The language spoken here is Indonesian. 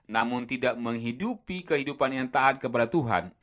namun tidak menghidupi kehidupan yang taat kepada tuhan